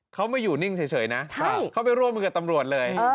เขาไม่อยู่นิ่งเฉยนะเขาไปร่วมมือกับตำรวจเลย